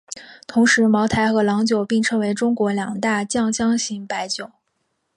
同时茅台和郎酒并称为中国两大酱香型白酒。